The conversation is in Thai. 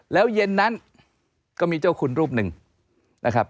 แล้วเย็นนั้นก็มีเจ้าคุณรูปหนึ่งนะครับ